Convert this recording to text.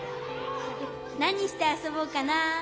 なにしてあそぼうかな。